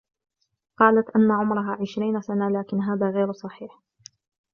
قالت أن عمرها عشرين سنة لكن هذا غير صحيح.